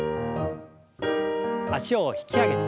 脚を引き上げて。